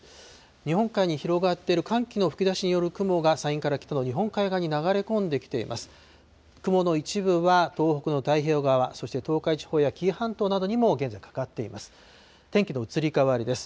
日本海に広がっている寒気の吹き出しによる雲が、山陰から北の日本海側に流れ込んできています。